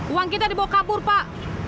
uang kita dibawa kabur pak